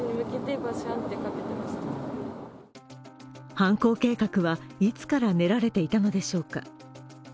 犯行計画はいつから練られていたのでしょうか。